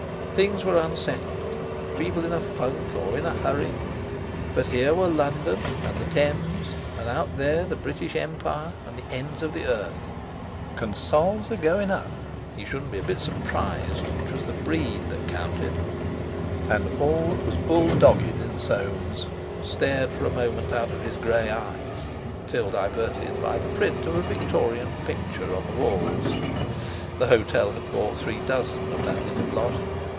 Things were unsettled, people in a funk or in a hurry, but here were London and the Thames, and out there the British Empire, and the ends of the earth. "Consols are goin' up!" He should n't be a bit surprised. It was the breed that counted. And all that was bull dogged in Soames stared for a moment out of his grey eyes, till diverted by the print of a Victorian picture on the walls. The hotel had bought three dozen of that little lot!